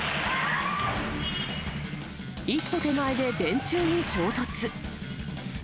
一歩手前で電柱に衝突。